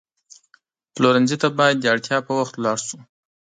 پلورنځي ته باید د اړتیا پر وخت لاړ شو.